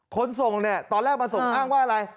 ส่งเนี่ยตอนแรกมาส่งอ้างว่าอะไร